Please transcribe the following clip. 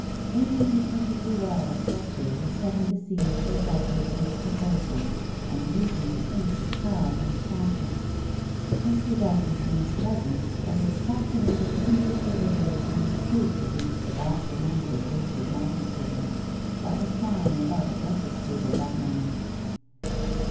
Amy knew perfectly well that Dulce was setting the scene for Dyconson's proposal, and using the innocent child as prompter. Mr. Dyconson was present, but his fascinating imperturbability was proof against the vast amount of wasted magnetism that was flying about the breakfast table that morning.